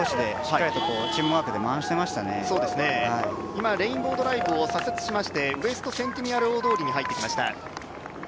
今、レインボードライブを左折しまして大通りに入ってきました。